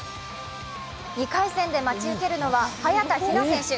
２回戦で待ち受けるのは、早田ひな選手。